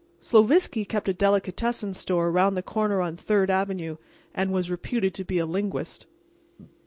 Sloviski kept a delicatessen store around the corner on Third avenue, and was reputed to be a linguist.